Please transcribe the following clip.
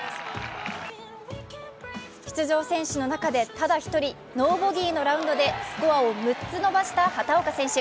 出場選手の中でただ１人ノーボギーのラウンドでスコアを６つ伸ばした畑岡選手。